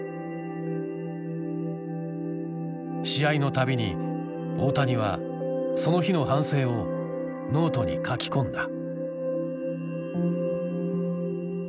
試合の度に大谷はその日の反省をノートに書き込んだ。